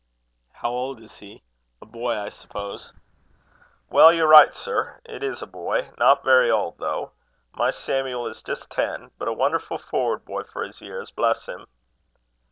"How old is he? A boy, I suppose?" "Well, you're right, sir. It is a boy. Not very old, though. My Samuel is just ten, but a wonderful forward boy for his years bless him!"